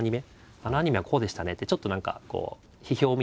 あのアニメはこうでしたねってちょっと何かこう批評みたいな。